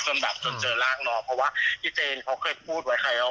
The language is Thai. แบบจนเจอร่างน้องเพราะว่าพี่เจนเขาเคยพูดไว้ใครว่า